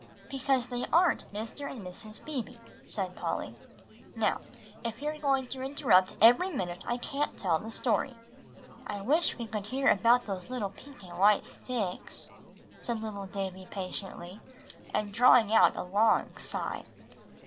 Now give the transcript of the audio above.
"Because they aren't Mr. and Mrs. Beebe," said Polly. "Now, if you are going to interrupt every minute, I can't tell the story." "I wish we could hear about those pink and white sticks," said little Davie patiently, and drawing a long sigh.